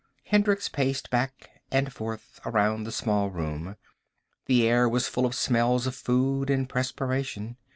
Hendricks paced back and forth, around the small room. The air was full of smells of food and perspiration.